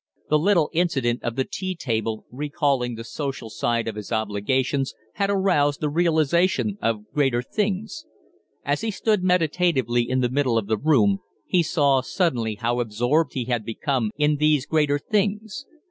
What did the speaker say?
The little incident of the tea table, recalling the social side of his obligations, had aroused the realization of greater things. As he stood meditatively in the middle of the room he saw suddenly how absorbed he had become in these greater things.